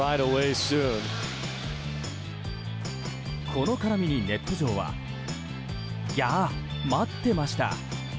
この絡みに、ネット上はぎゃあ、待ってました！